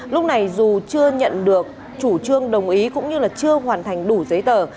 lúc này dù chưa nhận được chủ trương đồng ý cũng như là chưa hoàn thành đủ giấy tờ